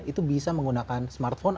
itu bisa menggunakan smartphone